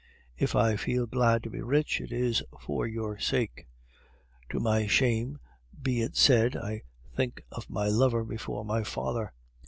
If I feel glad to be rich, it is for your sake. To my shame be it said, I think of my lover before my father.